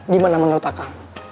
gimana menurut kak